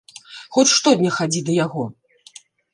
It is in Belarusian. Хоць штодня хадзі да яго.